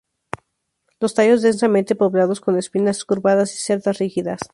Los tallos densamente poblados con espinas curvadas y cerdas rígidas.